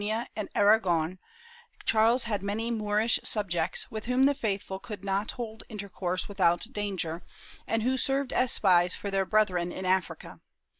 II] VALEJ^CIA 353 Valencia, Catalonia and Aragon, Charles had many Moorish subjects, with whom the faithful could not hold intercourse without danger, and who served as spies for their brethren in Africa.